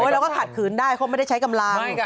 เราก็ขัดขืนได้เขาไม่ได้ใช้กำลัง